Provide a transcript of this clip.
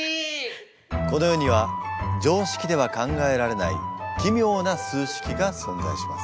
この世には常識では考えられない奇妙な数式が存在します。